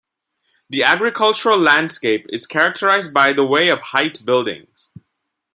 The agricultural landscape is characterized by the way of height buildings.